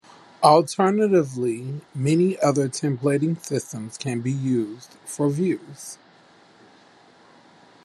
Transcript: Alternatively, many other templating systems can be used for views.